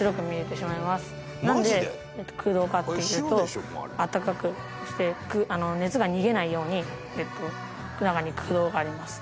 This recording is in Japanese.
なんで空洞かっていうと温かくして熱が逃げないように中に空洞があります。